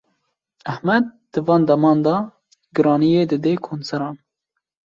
Ahmet di van deman de giraniyê dide konseran.